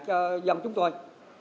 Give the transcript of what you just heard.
cho dân chúng tôi